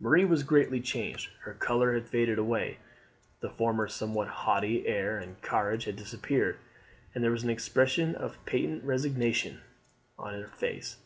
Marie was greatly changed: her colour had faded away, the former somewhat haughty air and carriage had disappeared, and there was an expression of patient resignation on her face.